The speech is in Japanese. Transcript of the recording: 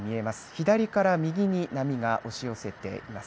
左から右に波が押し寄せています。